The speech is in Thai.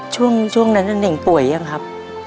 ช่วงนั้นเน่งป่วยยังครับ